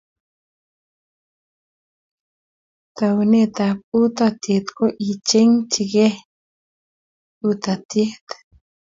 Taunetap utaatyet ko icheeng'jigei utaatyet.